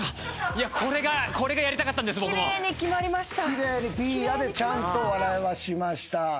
奇麗にピーヤでちゃんと笑わしました。